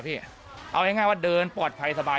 เอาง่ายว่าเดินปลอดภัยสบาย